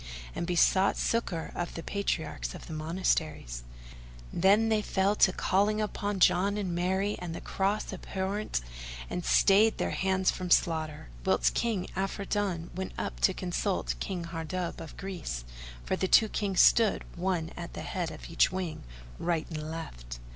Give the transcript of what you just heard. and besought succour of the Patriarchs of the Monasteries. Then fell they to calling upon John and Mary and the Cross abhorrent and stayed their hands from slaughter, whilst King Afridun went up to consult King Hardub of Greece, for the two Kings stood one at the head of each wing, right and left.